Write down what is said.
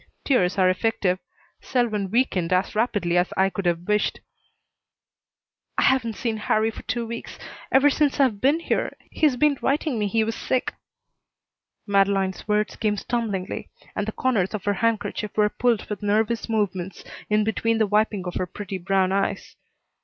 Tears are effective. Selwyn weakened as rapidly as I could have wished. "I haven't seen Harrie for two weeks. Ever since I've been here he's been writing me he was sick." Madeleine's words came stumblingly, and the corners of her handkerchief were pulled with nervous movements in between the wiping of her pretty brown eyes.